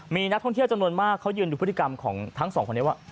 มีนักท่องเที่ยวจำนวนมากเขายืนดูพฤติกรรมของทั้งสองคนนี้ว่า